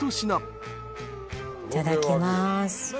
いただきます。